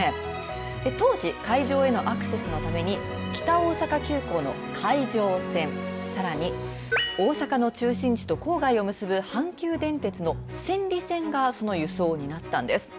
当時、会場へのアクセスのために北大阪急行の会場線さらに大阪の中心地と郊外を結ぶ阪急電鉄の千里線がその輸送を担ったんです。